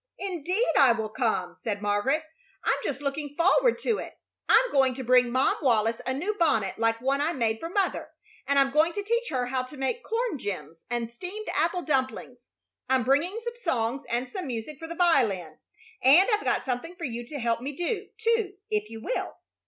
"Indeed I will come," said Margaret. "I'm just looking forward to it. I'm going to bring Mom Wallis a new bonnet like one I made for mother; and I'm going to teach her how to make corn gems and steamed apple dumplings. I'm bringing some songs and some music for the violin; and I've got something for you to help me do, too, if you will?"